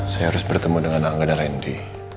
saya harus bertemu dengan angga dan randy